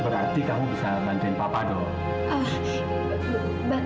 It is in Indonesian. berarti kamu bisa bantuin papa dong